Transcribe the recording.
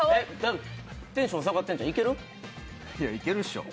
テンション下がってるんちゃう？